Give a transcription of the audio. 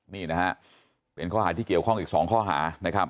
นี่นะฮะเป็นข้อหาที่เกี่ยวข้องอีก๒ข้อหานะครับ